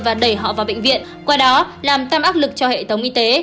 và đẩy họ vào bệnh viện qua đó làm tăng áp lực cho hệ thống y tế